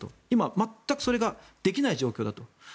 今、全くそれができない状況だと。